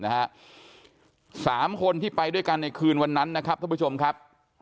สามคนที่ไปด้วยกันในคืนวันนั้นนะครับท่านผู้ชมครับ